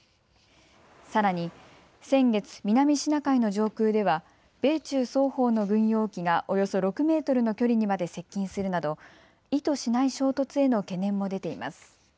さらに先月、南シナ海の上空では米中双方の軍用機がおよそ６メートルの距離にまで接近するなど意図しない衝突への懸念も出ています。